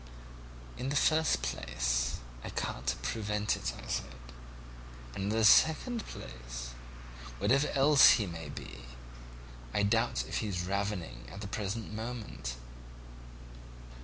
"'In the first place, I can't prevent it,' I said; 'and in the second place, whatever else he may be, I doubt if he's ravening at the present moment.'